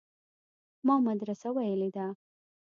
ما مدرسه ويلې ده.